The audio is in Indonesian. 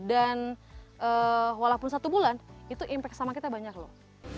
walaupun satu bulan itu impact sama kita banyak loh